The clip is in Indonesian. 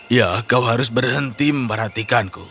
ya kau harus berhenti memperhatikanku